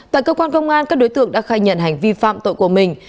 tại cơ quan công an các đối tượng đã khai nhận hành vi phạm tội của mình